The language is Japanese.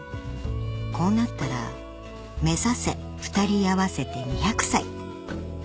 ［こうなったら目指せ２人合わせて２００歳］